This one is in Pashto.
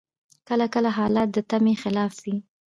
کله کله حالات د تمي خلاف وي.